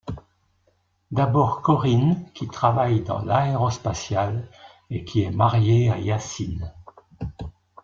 D'abord Corinne qui travaille dans l'aérospatiale et qui est mariée à Yacine.